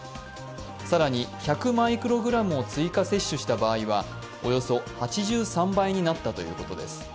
更に１００μｇを追加接種した場合はおよそ８３倍になったということです。